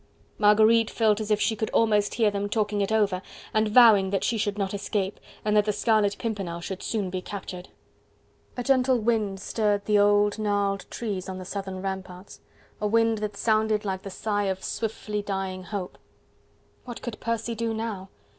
Marguerite felt as if she could almost hear them talking it over and vowing that she should not escape, and that the Scarlet Pimpernel should soon be captured. A gentle wind stirred the old gnarled trees on the southern ramparts, a wind that sounded like the sigh of swiftly dying hope. What could Percy do now?